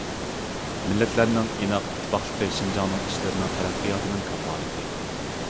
مىللەتلەرنىڭ ئىناق، ئىتتىپاقلىقى شىنجاڭنىڭ ئىشلىرىنىڭ تەرەققىياتىنىڭ كاپالىتى.